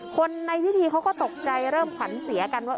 คนในพิธีเขาก็ตกใจเริ่มขวัญเสียกันว่า